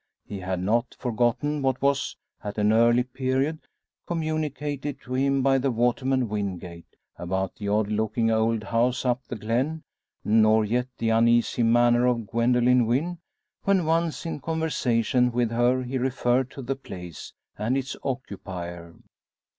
He had not forgotten what was, at an early period, communicated to him by the waterman Wingate, about the odd looking old house up the glen; nor yet the uneasy manner of Gwendoline Wynn, when once in conversation with her he referred to the place and its occupier.